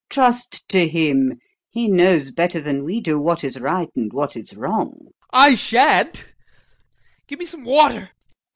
Trust to him; he knows better than we do what is right and what is wrong. VOITSKI. I shan't. Give me some water.